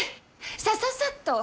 さささっと！